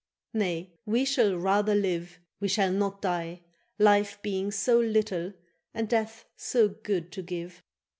Nay, we shall rather live, we shall not die, Life being so little and death so good to give.